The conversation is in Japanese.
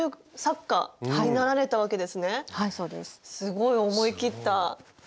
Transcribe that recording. すごい思い切った。